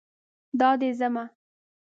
دا دی ځمه